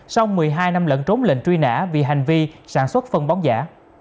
sau một mươi hai năm lận trốn lệnh truy nã vì hành vi sản xuất phân bón giả